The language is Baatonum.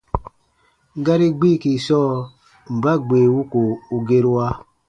Gari gbiiki sɔɔ: mba gbee wuko u gerua?